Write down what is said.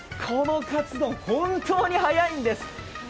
このかつ丼本当に速いんです。